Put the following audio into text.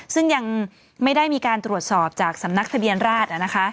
ซึ่งยังไม่ได้มีการตรวจสอบจากสำนักทะเบียนราช